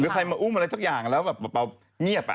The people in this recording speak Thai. ใครมาอุ้มอะไรสักอย่างแล้วแบบเงียบ